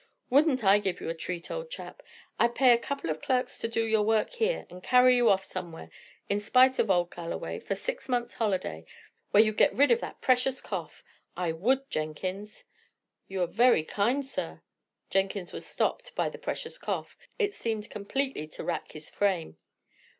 Wouldn't I give you a treat, old chap! I'd pay a couple of clerks to do your work here, and carry you off somewhere, in spite of old Galloway, for a six months' holiday, where you'd get rid of that precious cough. I would, Jenkins." "You are very kind, sir " Jenkins was stopped by the "precious cough." It seemed completely to rack his frame.